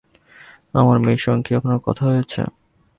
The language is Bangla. আমার মেয়ের সঙ্গে কি আপনার কথা হয়েছে?